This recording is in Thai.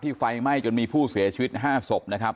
ไฟไหม้จนมีผู้เสียชีวิต๕ศพนะครับ